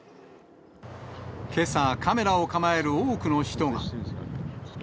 けさ、カメラを構える多くの人が。